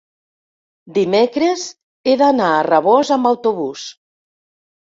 dimecres he d'anar a Rabós amb autobús.